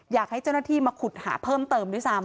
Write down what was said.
อยากให้เจ้าหน้าที่มาขุดหาเพิ่มเติมด้วยซ้ำ